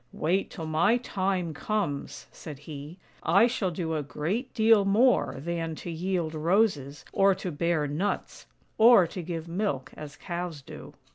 " Wait till my time comes," said he; "I shall do a great deal more than to yield roses, or to bear nuts, or to give milk as cows do."